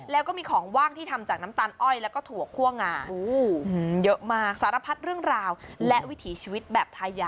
แล้วก็มีของว่างที่ทำจากน้ำตาลอ้อยแล้วก็ถั่วคั่วงาเยอะมากสารพัดเรื่องราวและวิถีชีวิตแบบทายา